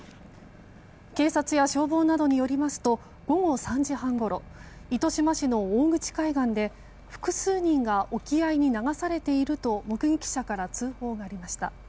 警察や消防などによりますと午後３時半ごろ糸島市の大口海岸で複数人が沖合に流されていると目撃者から通報がありました。